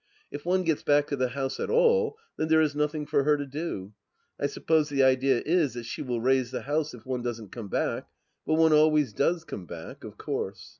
If one gets back to the house at all, then there is nothing for her to do. I suppose the idea is that she will raise the house if one doesn't come back, but one always does come back, of course.